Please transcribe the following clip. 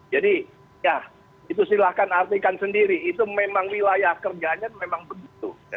jadi ya itu silahkan artikan sendiri itu memang wilayah kerjanya memang begitu